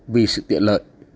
vì sự tiện lợi